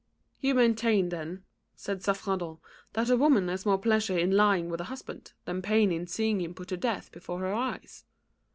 "You maintain, then," said Saffredent, "that a woman has more pleasure in lying with a husband, than pain in seeing him put to death before her eyes."